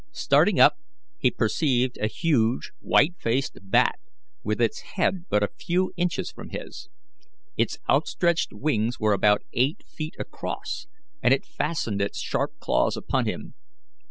Starting up, he perceived a huge white faced bat, with its head but a few inches from his. Its outstretched wings were about eight feet across, and it fastened its sharp claws upon him.